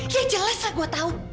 ya jelas lah gue tau